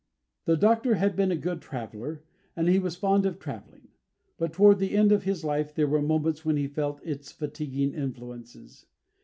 The Doctor had been a good traveller, and he was fond of travelling; but, toward the end of his life, there were moments when he felt its fatiguing influences.